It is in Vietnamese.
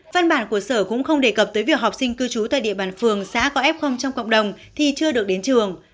văn bản của sở cũng không đề cập tới việc học sinh cư trú tại địa bàn phường xã có f trong cộng đồng thì chưa được đến trường